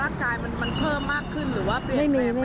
รักกายมันเพิ่มมากขึ้นหรือว่าเปลี่ยนไปหรือเปล่า